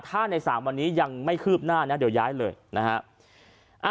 ถ้าใน๓วันนี้ยังไม่คืบหน้านะเดี๋ยวย้ายเลยนะฮะ